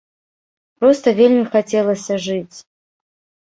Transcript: Проста вельмі хацелася жыць.